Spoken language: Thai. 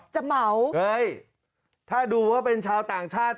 เหมาเอ้ยถ้าดูว่าเป็นชาวต่างชาติ